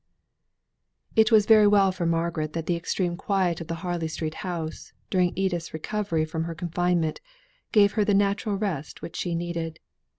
It was very well for Margaret that the extreme quiet of the Harley Street house, during Edith's recovery from her confinement, gave her the natural rest which she needed.